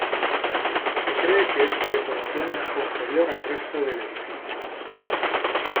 Se cree que esta decoración es posterior al resto del edificio.